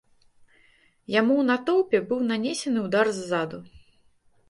Яму у натоўпе быў нанесены ўдар ззаду.